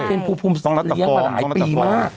เป็นภูมิเลี้ยงมาหลายปีมาก